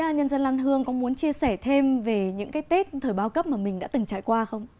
nhân dân lan hương có muốn chia sẻ thêm về những cái tết thời bao cấp mà mình đã từng trải qua không